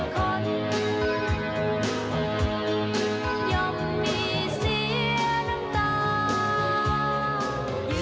คนย่อมมีเสียน้ำตา